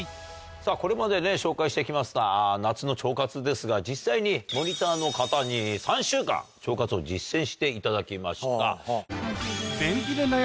さぁこれまで紹介してきました夏の腸活ですが実際にモニターの方に３週間腸活を実践していただきました。